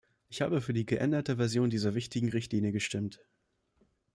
Ich habe für die geänderte Version dieser wichtigen Richtlinie gestimmt.